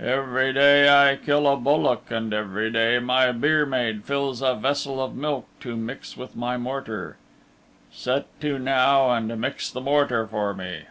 Every day I kill a bullock and every day my byre maid fills a vessel of milk to mix with my mortar. Set to now, and mix the mortar for me."